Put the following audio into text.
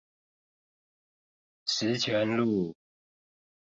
十全路